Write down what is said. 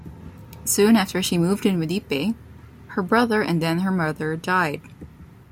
Soon after she moved in with Ippei, her brother and then her mother died.